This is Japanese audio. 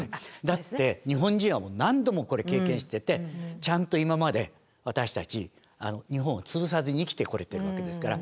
だって日本人は何度もこれ経験しててちゃんと今まで私たち日本を潰さずに生きてこれてるわけですから